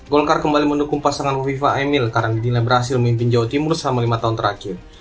golkar kembali mendukung pasangan viva emil karena dinilai berhasil memimpin jawa timur selama lima tahun terakhir